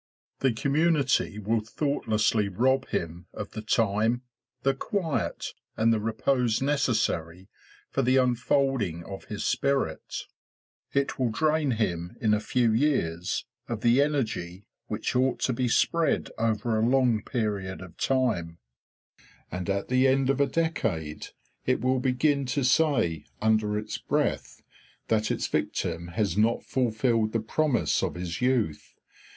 The community will thoughtlessly rob him of the time, the quiet, and the repose necessary for the unfolding of his spirit; it will drain him in a few years of the energy which ought to be spread over a long period of time; and at the end of a decade it will begin to say, under its breath, that its victim has not fulfilled the promise of his youth.